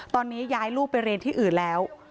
ตอนนี้ย้ายลูกไปเรียนที่อื่นแล้ว